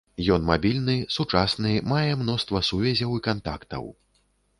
Ён мабільны, сучасны, мае мноства сувязяў і кантактаў.